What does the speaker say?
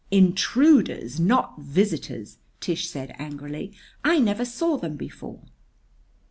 "Intruders, not visitors!" Tish said angrily. "I never saw them before."